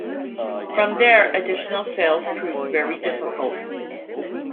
From there additional sales proved very difficult.